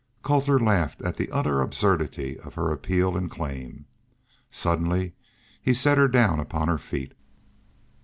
Colter laughed at the utter absurdity of her appeal and claim. Suddenly he set her down upon her feet.